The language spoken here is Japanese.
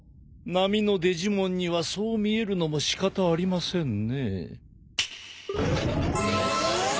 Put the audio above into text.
並のデジモンにはそう見えるのも仕方ありませんねぇ。